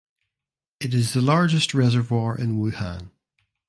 It is the largest reservoir in Wuhan.